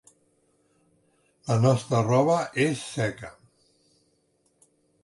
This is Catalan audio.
La nostra roba és seca.